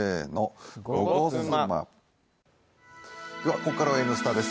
ここからは「Ｎスタ」です。